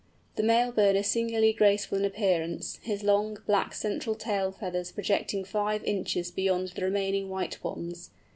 The male bird is singularly graceful in appearance, his long, black central tail feathers projecting five inches beyond the remaining white ones.